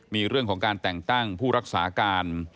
มีเรื่องของการแต่งตั้งผู้รักษาการ